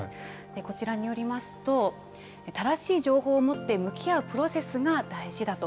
こちらによりますと、正しい情報を持って向き合うプロセスが大事だと。